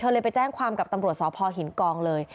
เธอเลยไปแจ้งความกับตัวสพภหินกองเลย